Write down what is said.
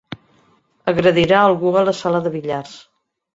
Agredirà algú a la sala de billars.